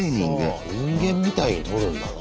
人間みたいに撮るんだな。